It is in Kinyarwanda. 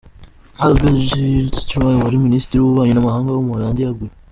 Halbe Zijlstra, wari Ministri w’Ububanyi n’Amahanga w’Ubuholandi yeguye.